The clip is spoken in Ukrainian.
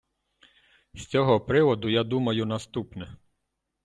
З цього приводу я думаю наступне.